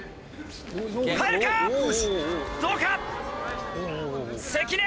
入るか⁉どうか⁉関根